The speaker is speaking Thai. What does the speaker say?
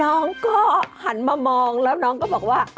น้องก็หันมามองแล้วน้องก็บอกว่า